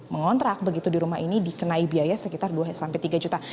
mengontrak begitu di rumah ini dikenai biaya sekitar dua sampai tiga juta